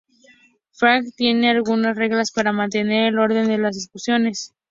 Flashback tiene algunas reglas para mantener el orden en las discusiones.